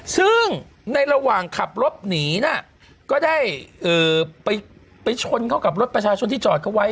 ซึ่งในระหว่างขับรถหนีน่ะก็ได้ไปชนเข้ากับรถประชาชนที่จอดเขาไว้